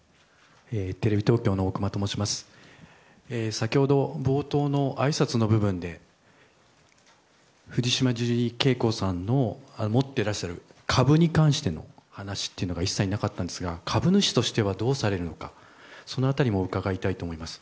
先ほど冒頭のあいさつの部分で藤島ジュリー景子さんの持っていらっしゃる株に関しての話が一切なかったんですが株主としてはどうされるのかその辺りも伺いたいと思います。